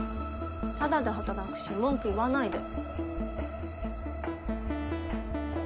タダで働くし文句言わないで。